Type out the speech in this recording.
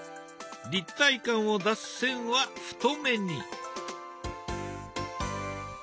立体感を出す線は太めに。